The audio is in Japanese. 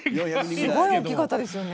すごい大きかったですよね。